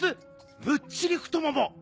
⁉「むっちり太もも」！